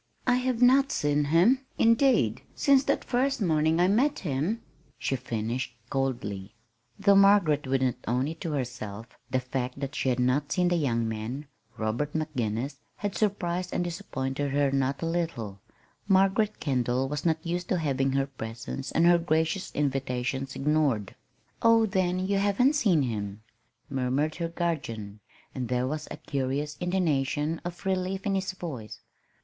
"I have not seen him, indeed, since that first morning I met him," she finished coldly. Though Margaret would not own it to herself, the fact that she had not seen the young man, Robert McGinnis, had surprised and disappointed her not a little Margaret Kendall was not used to having her presence and her gracious invitations ignored. "Oh, then you haven't seen him," murmured her guardian; and there was a curious intonation of relief in his voice.